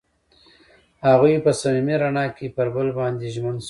هغوی په صمیمي رڼا کې پر بل باندې ژمن شول.